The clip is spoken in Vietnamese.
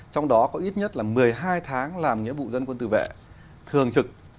trong đó có ít nhất là một mươi hai tháng làm nhiệm vụ dân quân tự vệ thường trực